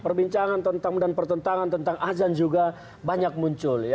perbincangan tentang dan pertentangan tentang azan juga banyak muncul